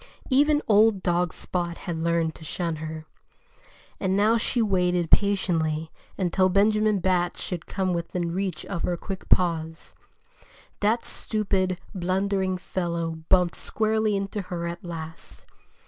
Even old dog Spot had learned to shun her. And now she waited patiently until Benjamin Bat should come within reach of her quick paws. That stupid, blundering fellow bumped squarely into her at last.